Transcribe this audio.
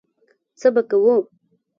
څه به کوو.